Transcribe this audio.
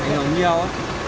có ảnh hưởng nhiều